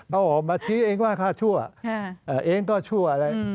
เอาออกมาชี้เองว่าข้าชั่วเองก็ชั่วอะไร